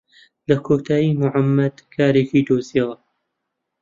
لە کۆتایی موحەممەد کارێکی دۆزییەوە.